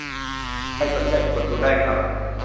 ใครสนใจไปกดดูได้ครับ